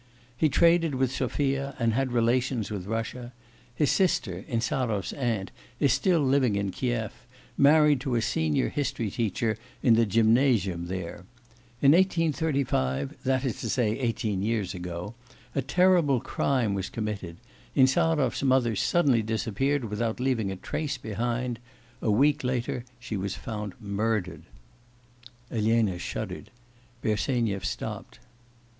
He traded with Sophia, and had relations with Russia; his sister, Insarov's aunt, is still living in Kiev, married to a senior history teacher in the gymnasium there. In 1835, that is to say eighteen years ago, a terrible crime was committed; Insarov's mother suddenly disappeared without leaving a trace behind; a week later she was found murdered.' Elena shuddered. Bersenyev stopped.